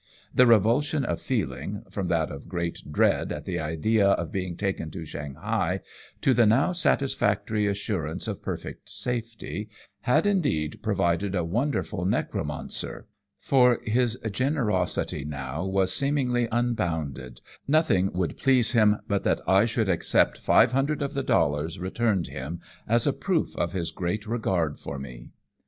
The revulsion of feeling, from that of great dread at the idea of being taken to Shanghai, to the now satisfactory assurance of perfect safety, had indeed proved a wonderful necromancer, for his generosity now was seemingly unbounded, no thing would please him but that I should accept five hundred of the dollars returned him, as a proof of his great regard for me.